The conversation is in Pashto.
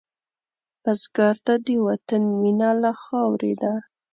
بزګر ته د وطن مینه له خاورې ده